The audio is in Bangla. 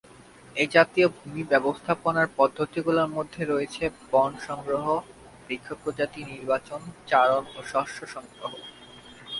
এজাতীয় ভূমি ব্যবস্থাপনার পদ্ধতিগুলোর মধ্যে রয়েছেঃ বন সংগ্রহ, বৃক্ষ প্রজাতি নির্বাচন, চারণ ও শস্য সংগ্রহ।